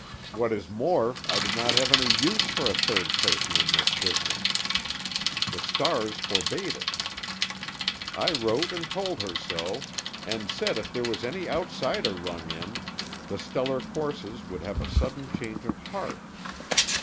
What is more, I did not have any use for a third person in this business. The stars forbade it. I wrote and told her so, and said if there was any outsider rung in, the stellar courses would have a sudden change of heart.